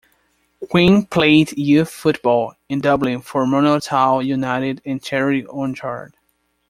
Quinn played youth football in Dublin for Manortown United and Cherry Orchard.